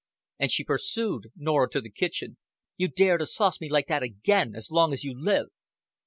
And she pursued Norah to the kitchen. "You dare to sauce me like that again as long as you live!"